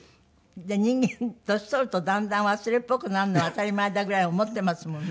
で人間年取るとだんだん忘れっぽくなるのは当たり前だぐらい思っていますもんね。